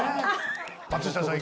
松下さん